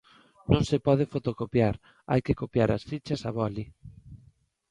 Non se pode fotocopiar, hai que copiar as fichas a boli.